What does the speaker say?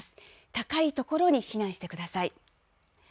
高い所に避難してください。